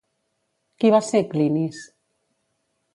Qui va ser Clinis?